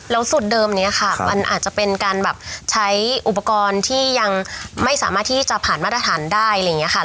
แล้วสูตรเดิมนี้ค่ะมันอาจจะเป็นการแบบใช้อุปกรณ์ที่ยังไม่สามารถที่จะผ่านมาตรฐานได้อะไรอย่างนี้ค่ะ